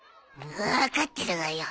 わかってるわよ。